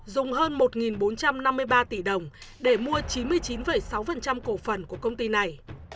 dùng hơn một bốn trăm năm mươi ba tỷ đồng để mua chín mươi chín sáu cổ phần của công ty này